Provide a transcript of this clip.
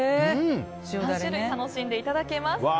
３種類楽しんでいただけます。